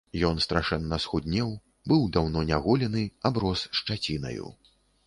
Ён страшэнна схуднеў, быў даўно няголены, аброс шчацінаю.